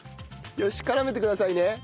よし絡めてくださいね。